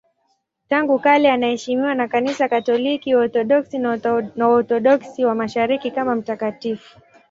Tangu kale anaheshimiwa na Kanisa Katoliki, Waorthodoksi na Waorthodoksi wa Mashariki kama mtakatifu.